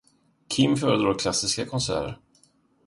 Kim föredrar klassiska konserter.